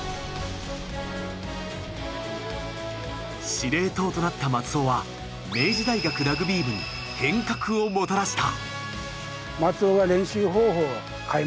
司令塔となった松尾は明治大学ラグビー部に変革をもたらした。